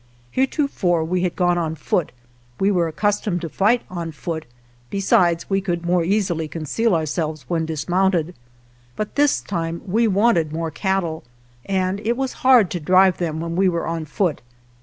Hereto fore we had gone on foot; we were accus tomed to fight on foot; besides, we could more easily conceal ourselves when dis mounted. But this time we wanted more cattle, and it was hard to drive them when we were on foot.